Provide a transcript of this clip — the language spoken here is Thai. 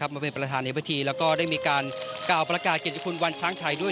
มาเป็นประธานในพิธีแล้วก็ได้มีการกล่าวประกาศเกียรติคุณวันช้างไทยด้วย